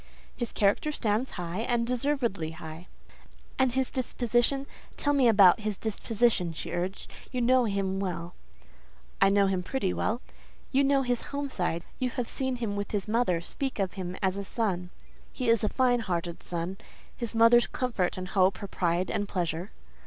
"His character stands high, and deservedly high." "And his disposition? Tell me about his disposition," she urged; "you know him well." "I know him pretty well." "You know his home side. You have seen him with his mother; speak of him as a son." "He is a fine hearted son; his mother's comfort and hope, her pride and pleasure."